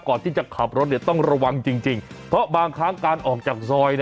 ก่อนที่จะขับรถต้องระวังจริงเพราะบางครั้งการออกจากซอย